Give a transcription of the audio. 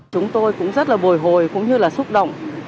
chúng tôi cũng rất là bồi hồi cũng như là xúc động